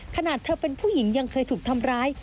ขนาดเธอเป็นผู้หญิงยังเคยถูกทำร้าย